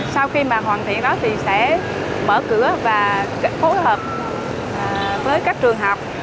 sau khi mà hoàn thiện đó thì sẽ mở cửa và phối hợp với các trường học